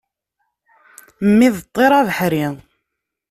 Mmi d ṭṭir abeḥri.